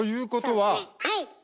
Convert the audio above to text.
はい！